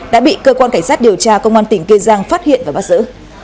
đã bị cơ quan cảnh sát điều tra công an tỉnh kê giang phát hiện và bắt giữ